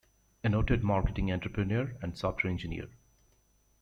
A noted Marketing Entrepreneur and Software Engineer.